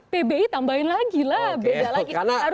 pbi tambahin lagi lah beda lagi